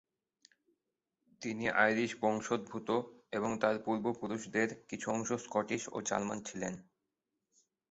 তিনি আইরিশ বংশোদ্ভূত এবং তার পূর্বপুরুষদের কিছু অংশ স্কটিশ ও জার্মান ছিলেন।